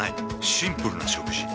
シンプルな食事。